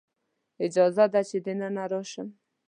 اجازه ده چې دننه راشم؟